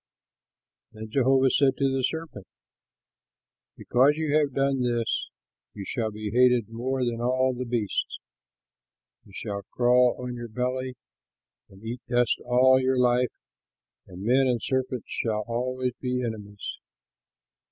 Then Jehovah said to the serpent, "Because you have done this, you shall be hated more than all beasts. You shall crawl on your belly and eat dust all your life, and men and serpents shall always be enemies.